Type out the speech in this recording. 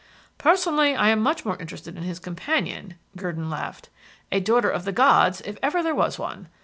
"Personally, I am much more interested in his companion," Gurdon laughed. "A daughter of the gods, if ever there was one.